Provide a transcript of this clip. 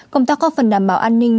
công tác có phần đảm bảo an ninh